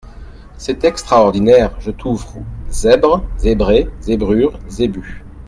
C’est extraordinaire ! je trouve zèbre, zébré, zébrure, zébu !…